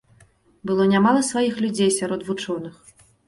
Было нямала сваіх людзей сярод вучоных.